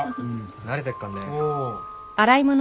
慣れてっかんね。